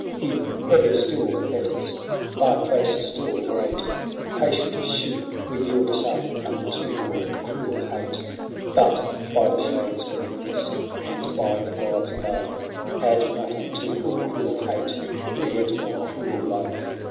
Heap heavier still the fetters ; bar closer still the grate ; Patient as sheep we yield us up unto your cruel hate. But, by the Shades beneath us, and by the Gods above. Add not unto your cruel hate your yet more cruel love